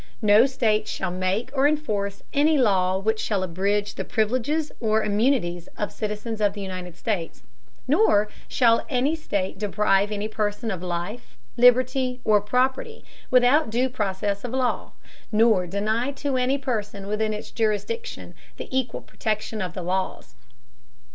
No State shall make or enforce any law which shall abridge the privileges or immunities of citizens of the United States: nor shall any State deprive any person of life, liberty, or property, without due process of law; nor deny to any person within its jurisdiction the equal protection of the laws.